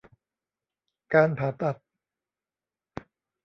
การผ่าตัด